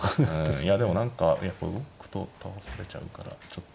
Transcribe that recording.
うんいやでも何かやっぱ動くと倒されちゃうからちょっと。